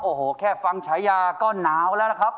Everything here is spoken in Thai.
โอ้โหแค่ฟังฉายาก็หนาวแล้วนะครับ